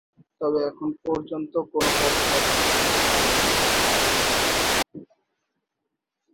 তবে এখনো পর্যন্ত কোন পদক অর্জন করতে পারেনি।